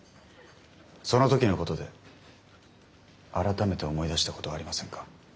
その時のことで改めて思い出したことはありませんか？